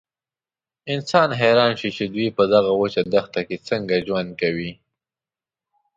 انسان حیران شي چې دوی په دغه وچه دښته کې څنګه ژوند کوي.